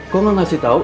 kau mau ngasih tau